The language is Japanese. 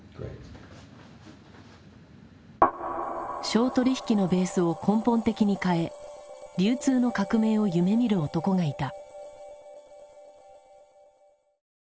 商取引のベースを根本的に変え流通の革命を夢みる男がいた。